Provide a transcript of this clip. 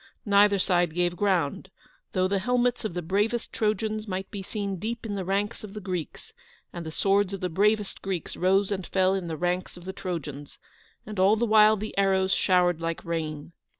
Neither side gave ground, though the helmets of the bravest Trojans might be seen deep in the ranks of the Greeks; and the swords of the bravest Greeks rose and fell in the ranks of the Trojans, and all the while the arrows showered like rain.